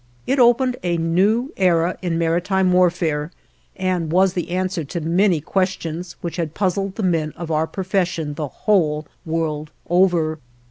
It opened a new era in maritime warfare and was the answer to many questions, which had puzzled the men of our profession the whole world over.